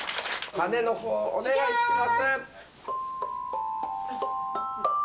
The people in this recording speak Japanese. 鐘のほうお願いします。